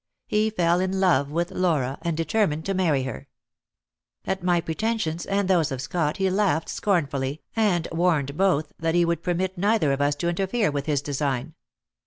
He fell in love with Laura, and determined to marry her. At my pretensions and those of Scott he laughed scornfully, and warned both that he would permit neither of us to interfere with his design.